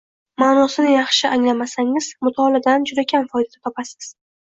Maʼnosini yaxshi anglamasangiz, mutolaadan juda kam foyda topasiz